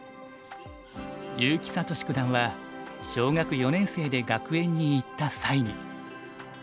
結城聡九段は小学４年生で学園に行った際に。